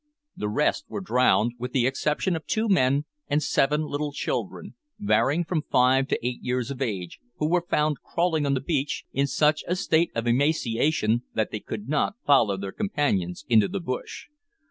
The rest were drowned, with the exception of two men and seven little children, varying from five to eight years of age, who were found crawling on the beach, in such a state of emaciation that they could not follow their companions into the bush.